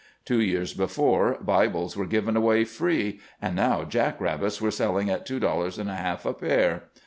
Two years before Bibles were given away free, and now jack rabbits were selling at two dollars and a half a pair.